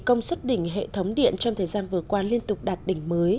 công suất đỉnh hệ thống điện trong thời gian vừa qua liên tục đạt đỉnh mới